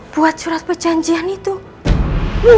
buat surat perjanjian itu